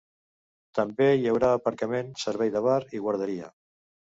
També hi haurà aparcament, servei de bar i guarderia.